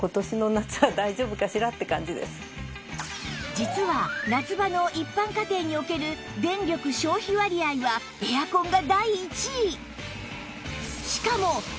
実は夏場の一般家庭における電力消費割合はエアコンが第１位